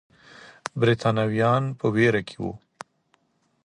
برتانويان په ویره کې وو.